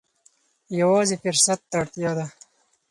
یوازې فرصت ته اړتیا ده.